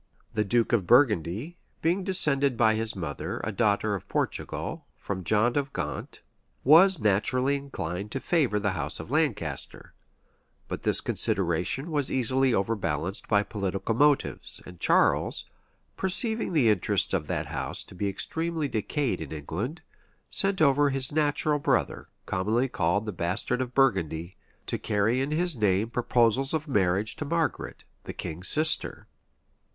The duke of Burgundy, being descended by his mother, a daughter of Portugal, from John of Gaunt, was naturally inclined to favor the house of Lancaster:[*] but this consideration was easily overbalanced by political motives; and Charles, perceiving the interests of that house to be extremely decayed in England, sent over his natural brother, commonly called the Bastard of Burgundy, to carry in his name proposals of marriage to Margaret, the king's sister.